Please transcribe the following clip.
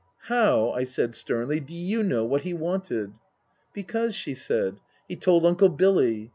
" How," I said sternly, " do you know what he wanted ?"" Because," she said, " he told Uncle Billy.